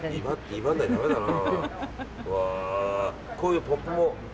威張らないとダメだな。